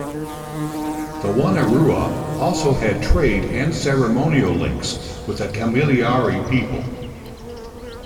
The Wonnarua also had trade and ceremonial links with the Kamilaroi people.